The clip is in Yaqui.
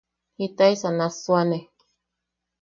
¿Jitaesa nassuane?